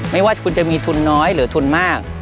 ไม่ว่าคุณจะมีทุนน้อยหรือทุนมาก